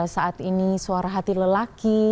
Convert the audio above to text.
saat ini suara hati lelaki